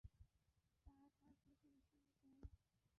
তারা তার প্রতি ঈর্ষান্বিত হলো।